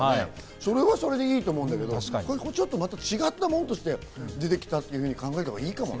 それはそれでいいと思うけど、また違ったものとして出てきたと考えたほうがいいかもね。